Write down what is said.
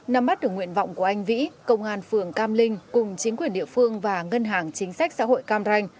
năm bắt được nguyện vọng của anh vĩ công an phường cam linh cùng chính quyền địa phương và ngân hàng chính sách xã hội cam ranh